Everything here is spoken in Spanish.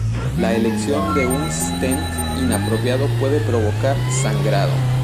La elección de un stent inapropiado puede provocar sangrado.